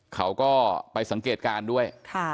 เขาก็ไปสังเกตการณ์ด้วย